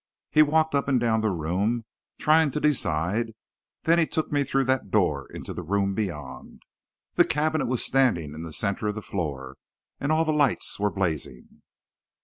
He walked up and down the room, trying to decide; then he took me through that door into the room beyond. The cabinet was standing in the centre of the floor, and all the lights were blazing.